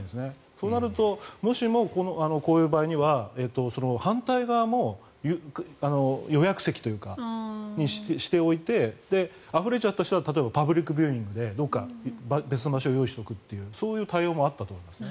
そうなると、もしもこういう場合には反対側も予約席というかそうしておいてあふれちゃった人は例えばパブリックビューイングでどこか別の場所を用意しておくとかそういう対応もあったと思います。